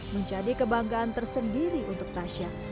menjadi kebanggaan tersendiri untuk tasya